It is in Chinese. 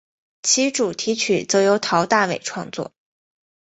其主题曲则由陶大伟创作。